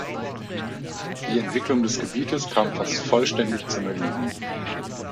Die Entwicklung des Gebietes kam fast vollständig zum Erliegen.